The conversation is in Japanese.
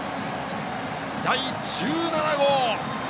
第１７号。